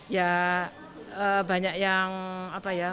ya banyak yang apa ya